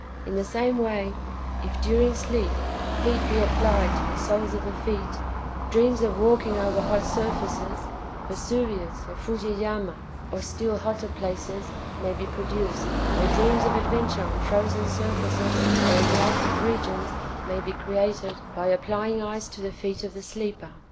In the same way, if during sleep heat be applied to the soles of the feet, dreams of walking over hot surfaces—Vesuvius or Fusiyama, or still hotter places—may be produced, or dreams of adventure on frozen surfaces or in arctic regions may be created by applying ice to the feet of the sleeper.